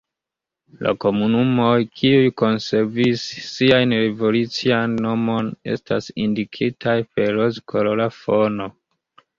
La komunumoj, kiuj konservis sian revolucian nomon estas indikitaj per rozkolora fono.